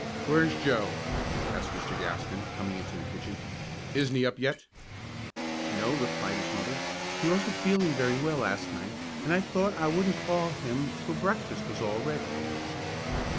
"Where's Joe?" asked Mr. Gaston, coming into the kitchen. "Isn't he up yet?" "No," replied the mother. "He wasn't feeling very well last night, and I thought I wouldn't call him till breakfast was all ready."